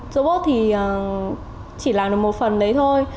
robot thì chỉ làm được một phần đấy thôi